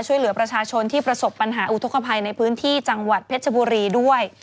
ช่วยเหลือประชาชนที่ประสบปัญหาอุทธกภัยในพื้นที่จังหวัดเพชรบุรีด้วย